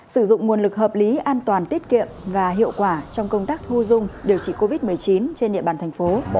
sử dụng nguồn lực hợp lý an toàn tiết kiệm và hiệu quả trong công tác thu dung điều trị covid một mươi chín trên địa bàn thành phố